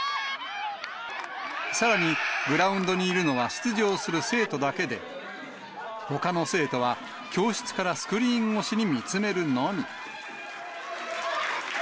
さらに、グラウンドにいるのは出場する生徒だけで、ほかの生徒は教室からスクリーン越しに見つめるのみ。